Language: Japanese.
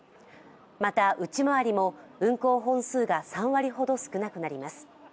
また、内回りも運行本数が３割ほど少なくなります。